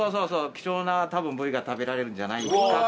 希少な部位が食べられるんじゃないのかと。